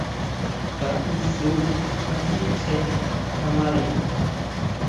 Xka isú kasitsé kamare.